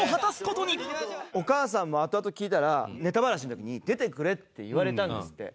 お母さんもあとあと聞いたら「ネタバラシの時に出てくれ」って言われたんですって。